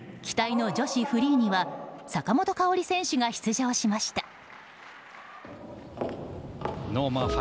期待の女子フリーには坂本花織選手が出場しました。